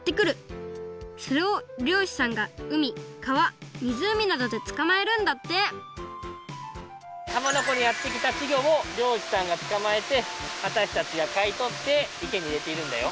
それをりょうしさんが海川みずうみなどで捕まえるんだってはまなこにやってきたちぎょをりょうしさんが捕まえてわたしたちがかいとって池にいれているんだよ。